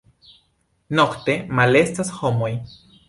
Nokte malestas homoj.